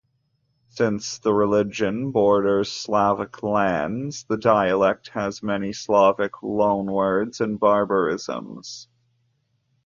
Since the region borders Slavic lands, the dialect has many Slavic loanwords and barbarisms.